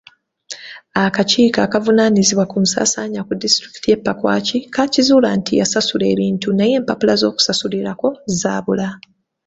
Akakiiko akavunaanyizibwa ku nsaasaanya ku disitulikiti y'e Pakwach kaakizuula nti yasasula ebintu naye empapula z'okusasulirako zaabula.